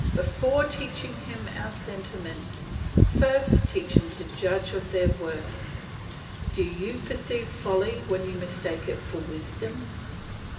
Before teaching him our sentiments, first teach him to judge of their worth. Do you perceive folly when you mistake it for wisdom?